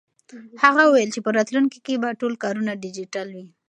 هغه وویل چې په راتلونکي کې به ټول کارونه ډیجیټل وي.